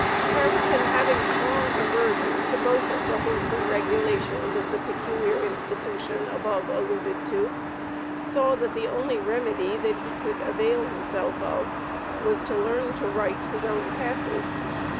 Harrison having strong aversion to both of the "wholesome regulations" of the peculiar institution above alluded to, saw that the only remedy that he could avail himself of was to learn to write his own passes.